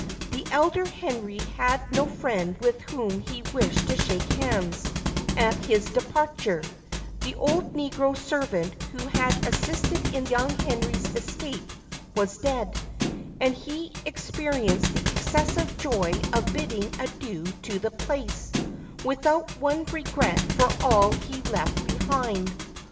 The elder Henry had no friend with whom he wished to shake hands at his departure; the old negro servant who had assisted in young Henry's escape was dead; and he experienced the excessive joy of bidding adieu to the place, without one regret for all he left behind.